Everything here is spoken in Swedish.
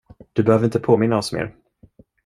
Du behöver inte påminna oss mer.